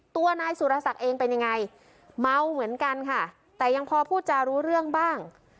ตัวนายสุรศักดิ์เองเป็นยังไงเมาเหมือนกันค่ะแต่ยังพอพูดจารู้เรื่องบ้าง